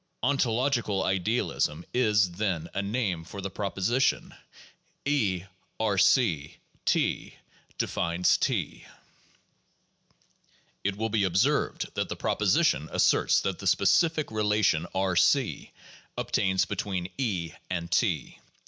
Ontologieal idealism is, then, a name for the proposition: (E)R C (T) defines T. It will be observed that the proposition asserts that the specific relation R c obtains between E and T.